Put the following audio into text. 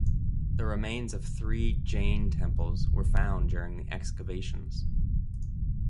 The remains of three Jain temples were found during the excavations.